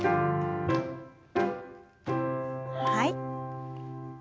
はい。